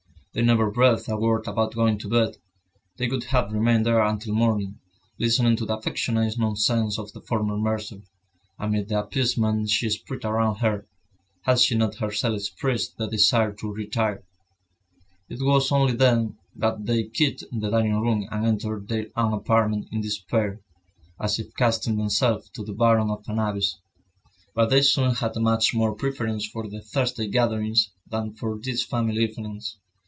They never breathed a word about going to bed; they would have remained there until morning, listening to the affectionate nonsense of the former mercer, amid the appeasement she spread around her, had she not herself expressed the desire to retire. It was only then that they quitted the dining room and entered their own apartment in despair, as if casting themselves to the bottom of an abyss. But they soon had much more preference for the Thursday gatherings, than for these family evenings.